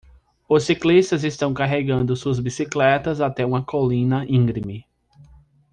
Os ciclistas estão carregando suas bicicletas até uma colina íngreme.